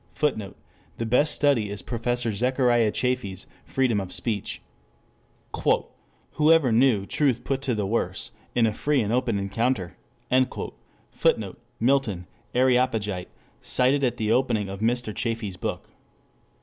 [Footnote: The best study is Prof. Zechariah Chafee's, Freedom of Speech.] "Who ever knew Truth put to the worse, in a free and open encounter?" [Footnote: Milton, Areopagitica, cited at the opening of Mr. Chafee's book.